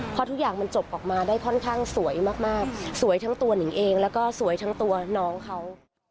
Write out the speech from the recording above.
เพราะทุกอย่างมันจบออกมาได้ค่อนข้างสวยมากสวยทั้งตัวหนิงเองแล้วก็สวยทั้งตัวน้องเขา